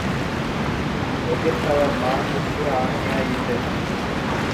எதிர்த்தவர் மார்புக்கு ஆணியாய் இரு.